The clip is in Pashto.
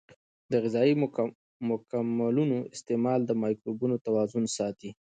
د غذایي مکملونو استعمال د مایکروبونو توازن ساتي.